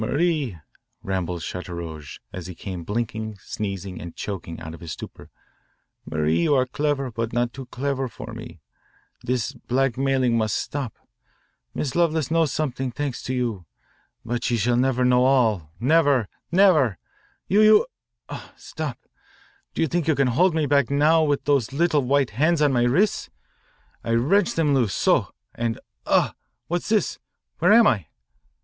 "Marie," rambled Chateaurouge as he came blinking, sneezing, and choking out of his stupor, "Marie, you are clever, but not too clever for me. This blackmailing must stop. Miss Lovelace knows something, thanks to you, but she shall never know all never =20 never. You you ugh! Stop. Do you think you can hold me back now with those little white hands on my wrists? I wrench them loose so and ugh! What's this? Where am I?"